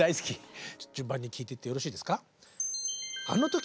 順番に聞いてってよろしいですか？